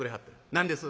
何です？」。